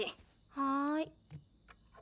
はい。